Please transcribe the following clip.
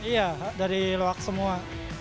iya dari loak semua